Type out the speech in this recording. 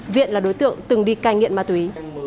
viện là đối tượng từng đi cai nghiện ma túy